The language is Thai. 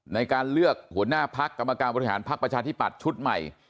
ในการเลือกหัวหน้าพักกรรมการบริหารพักประชาธิปัตย์ชุดใหม่